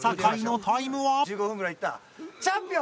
チャンピオン！